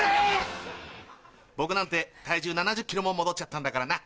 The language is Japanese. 僕なんて体重７０ｋｇも戻っちゃったんだからな。